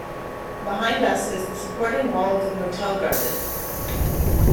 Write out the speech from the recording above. Behind us is the supporting wall of the hotel garden.